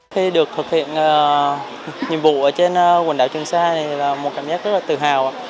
khi được thực hiện nhiệm vụ ở trên quần đảo trường sa thì là một cảm giác rất là tự hào